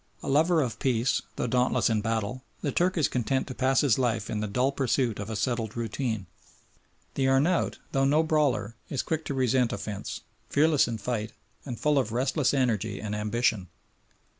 A lover of peace, though dauntless in battle, the Turk is content to pass his life in the dull pursuit of a settled routine; the Arnaout, though no brawler, is quick to resent offence, fearless in fight, and full of restless energy and ambition.